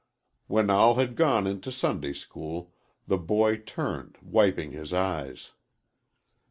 When all had gone into Sunday school, the boy turned, wiping his eyes.